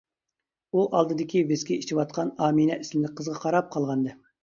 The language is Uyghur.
ئۇ ئالدىدىكى ۋىسكى ئىچىۋاتقان ئامىنە ئىسىملىك قىزغا قاراپ قالغانىدى.